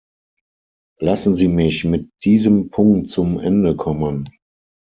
Lassen Sie mich mit diesem Punkt zum Ende kommen.